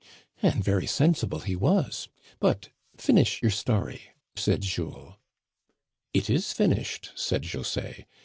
" And very sensible he was ; but finish your story," said Jules. " It is finished," said José.